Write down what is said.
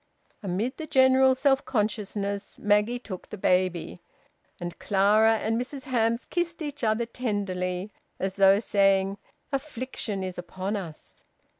Amid the general self consciousness Maggie took the baby, and Clara and Mrs Hamps kissed each other tenderly, as though saying, "Affliction is upon us."